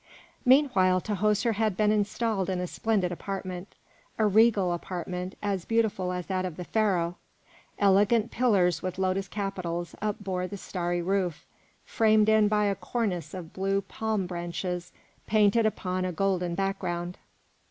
Meanwhile Tahoser had been installed in a splendid apartment, a regal apartment as beautiful as that of the Pharaoh. Elegant pillars with lotus capitals upbore the starry roof, framed in by a cornice of blue palm branches painted upon a golden background.